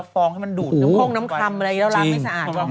ฟองให้มันดูดน้ำโค้งน้ำคำอะไรอย่างนี้แล้วล้างไม่สะอาด